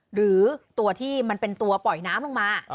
หรือตัวที่มันเป็นตัวปล่อยน้ำลงมา